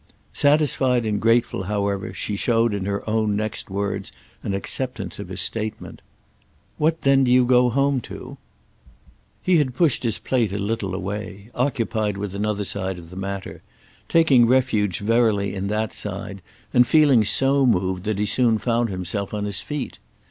Satisfied and grateful, however, she showed in her own next words an acceptance of his statement. "What then do you go home to?" He had pushed his plate a little away, occupied with another side of the matter; taking refuge verily in that side and feeling so moved that he soon found himself on his feet.